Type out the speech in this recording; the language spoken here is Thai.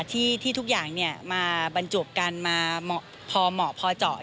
ที่ทุกอย่างมาบรรจบกันมาพอเหมาะพอเจาะ